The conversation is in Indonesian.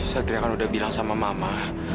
satria kan udah bilang sama mama